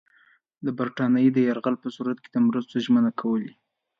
د برټانیې د یرغل په صورت کې د مرستو ژمنې کولې.